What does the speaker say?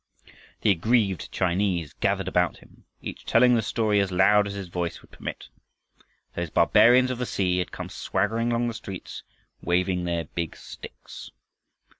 The aggrieved Chinese gathered about him, each telling the story as loud as his voice would permit. Those barbarians of the sea had come swaggering along the streets waving their big sticks.